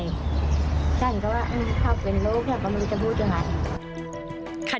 ฉันก็ว่าเขาก็เป็นลูกอยากกำลังเลยจะพูดอย่างนั้น